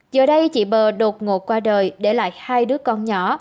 giờ đây chị bờ đột ngột qua đời để lại hai đứa con nhỏ